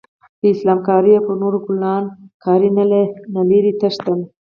له اسلام کارۍ او پر نورو کلان کارۍ نه لرې تښتم.